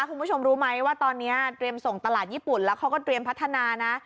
คุณผู้ชมรู้ไหมว่าตอนนี้เตรียมส่งตลาดญี่ปุ่นแล้วเขาก็เตรียมพัฒนานะ